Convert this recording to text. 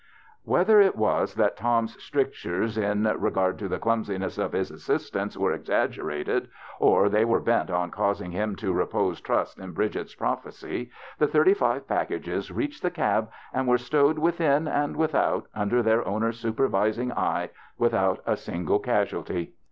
Whether it was that Tom's strictures in re 10 THE BACHELOR'S CHRISTMAS gard to the clumsiness of Lis assistants were exaggerated, or they were bent on causing him to repose trust in Bridget's prophecy, the thirtj five packages reached the cab and were stowed within and without, under their owner's supervising eye, without a single casualty.